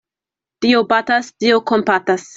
Dio batas, Dio kompatas.